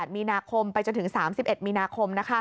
มีนาคมไปจนถึง๓๑มีนาคม